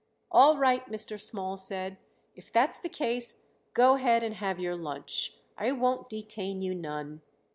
"All right," Mr. Small said. "If that's the case go ahead and have your lunch. I won't detain you none."